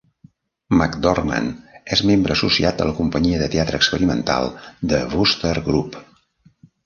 McDormand és membre associat de la companyia de teatre experimental The Wooster Group.